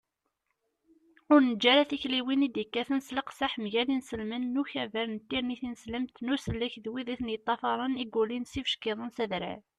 ur neǧǧi ara tikliwin i d-yekkaten s leqseḥ mgal inselmen n ukabar n tirni tineslemt n usellek d wid i ten-yeṭṭafaṛen i yulin s yibeckiḍen s adrar